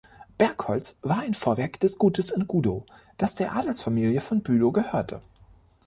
Bergholz war ein Vorwerk des Gutes in Gudow, das der Adelsfamilie von Bülow gehörte.